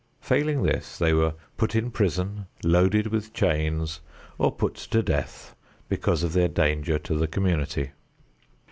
Failing in this they were put in prison, loaded with chains or put to death because of their danger to the community.